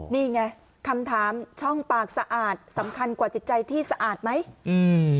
นี่ไงคำถามช่องปากสะอาดสำคัญกว่าจิตใจที่สะอาดไหมอืม